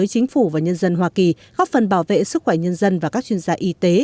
với chính phủ và nhân dân hoa kỳ góp phần bảo vệ sức khỏe nhân dân và các chuyên gia y tế